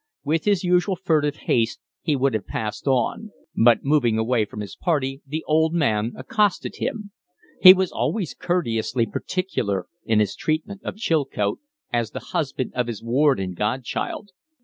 With his usual furtive haste he would have passed on; but, moving away from his party, the old man accosted him. He was always courteously particular in his treatment of Chilcote, as the husband of his ward and godchild.